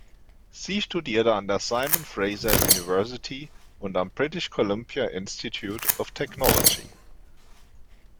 Sie studierte an der Simon Fraser University und am British Columbia Institute of Technology.